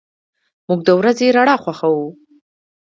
موږ د ورځې رڼا خوښو.